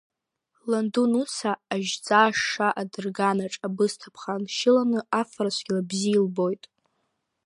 Ланду Нуца ажьҵаа ашша адырганаҿ абысҭа ԥха аншьылан афара цәгьала бзиа илбоит.